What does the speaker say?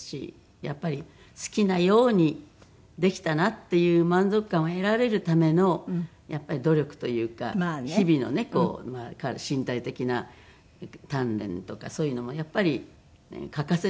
やっぱり好きなようにできたなっていう満足感を得られるためのやっぱり努力というか日々のね身体的な鍛錬とかそういうのもやっぱり欠かせないですね